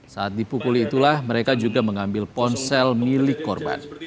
saat dipukuli itulah mereka juga mengambil ponsel milik korban